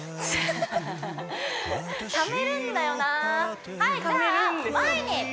ハハハためるんだよな